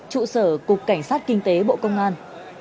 trụ sở cục cảnh sát kinh tế bộ công an